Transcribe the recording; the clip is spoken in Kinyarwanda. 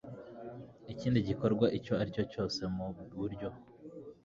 ikindi gikorwa icyo aricyo cyose mu buryo